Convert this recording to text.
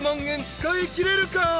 円使いきれるか？］